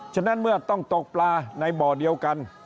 ฉะนั้นเมื่อต้องตกปลาในบ่อเดียวกัน